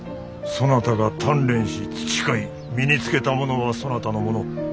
そなたが鍛錬し培い身につけたものはそなたのもの。